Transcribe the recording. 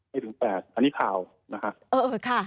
ไม่ถึง๘อันนี้ข่าวนะครับ